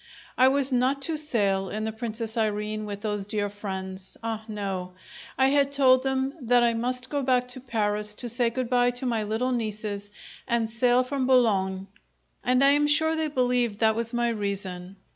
I was not to sail in the "Princess Irene" with those dear friends. Ah no! I had told them that I must go back to Paris to say good bye to my little nieces and sail from Boulogne and I am sure they believed that was my reason.